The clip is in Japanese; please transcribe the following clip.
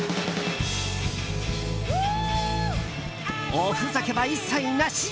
おふざけは一切なし！